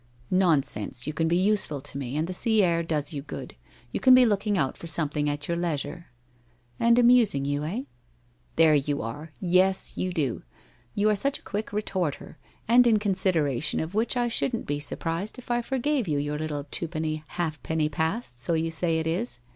' Nonsense, you can be useful to me, and the sea air does you good. You can be looking out for something at your leisure.' ' And amusing you, eh ?'' There you are ! Yes, you do. You are such a quick retorter. And in consideration of which I shouldn't be surprised if I forgave you your little twopenny half penny past, so you say it is.